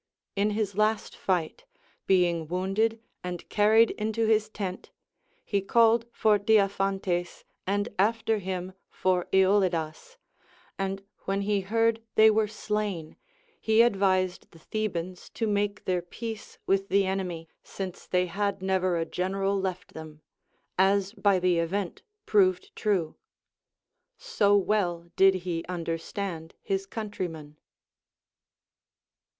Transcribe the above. In his last fight, being wounded and carried into his tent, he called for Diaphantes and after him f f r loUidas ; and \vhen he heard they Avere slain, he advised the Thebans to make their peace with the enemy, since tliey had never a general left them ; as by the event proved true. So well did he understand his countrymen.